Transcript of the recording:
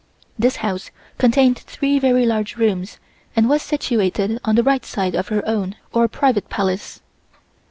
This house contained three very large rooms and was situated on the right side of her own or private Palace.